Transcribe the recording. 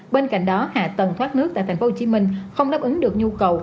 bên cạnh đó hạ tầng thoát nước tại tp hcm không đáp ứng được nhu cầu